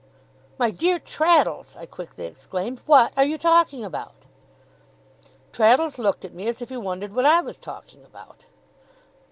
'My dear Traddles!' I quickly exclaimed. 'What are you talking about?' Traddles looked at me, as if he wondered what I was talking about.